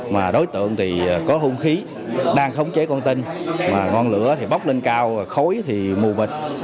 mà đối tượng thì có hôn khí đang khống chế con tin mà ngọn lửa thì bóc lên cao khối thì mù mịch